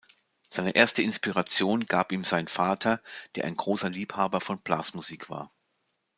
Seine erste Inspiration gab ihm sein Vater, der ein großer Liebhaber von Blasmusik war.